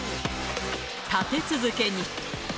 立て続けに。